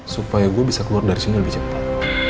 supaya gue bisa keluar dari sini lebih cepat